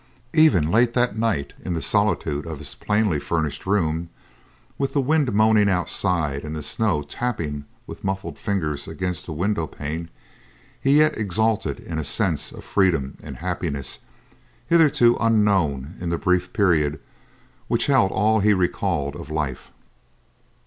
Even late that night, in the solitude of his plainly furnished room, with the wind moaning outside and the snow tapping with muffled fingers against the window pane, he yet exulted in a sense of freedom and happiness hitherto unknown in the brief period which held all he recalled of life.